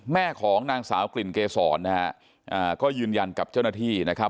แม่ของนางสาวกลิ่นเกษรนะฮะก็ยืนยันกับเจ้าหน้าที่นะครับ